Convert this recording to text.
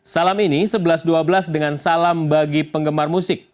salam ini sebelas dua belas dengan salam bagi penggemar musik